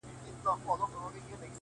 که تریخ دی زما دی؛